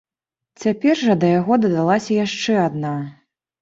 Цяпер жа да яго дадалася яшчэ адна.